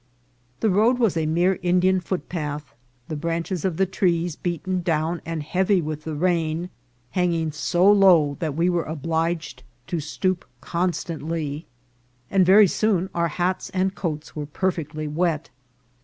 The road was a mere Indian footpath, the branches of the trees, beaten down and heavy with the rain, hanging so low that we were obliged to stoop constantly, and very soon our hats and coats were perfectly wet.